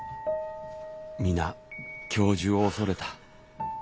皆教授を恐れた。